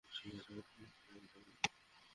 ঠিক আছে, কোনো সমস্যা নেই, পিটার পার্কার।